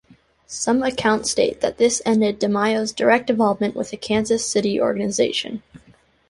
Some accounts state that this ended DeMayo's direct involvement with the Kansas City organization.